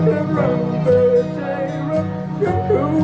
อีฟังมั้ย